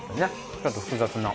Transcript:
ちょっと複雑な。